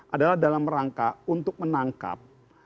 adalah dalam rangka untuk menangkap